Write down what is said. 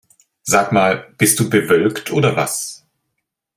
Sag mal, bist du bewölkt oder was?